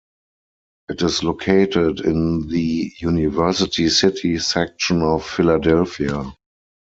It is located in the University City section of Philadelphia.